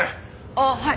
あっはい。